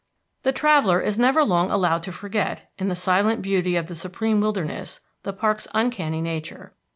The traveller is never long allowed to forget, in the silent beauty of the supreme wilderness, the park's uncanny nature.